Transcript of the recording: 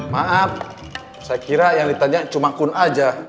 maaf saya kira yang ditanya cuma kun aja